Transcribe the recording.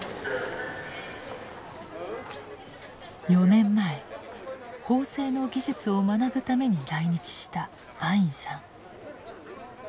４年前縫製の技術を学ぶために来日したアインさん。